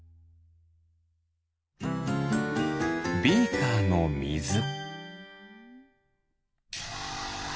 ビーカーのみず。